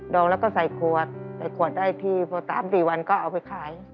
องแล้วก็ใส่ขวดใส่ขวดได้ทีพอ๓๔วันก็เอาไปขาย